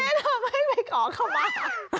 แนะนำให้ไปขอขอบาล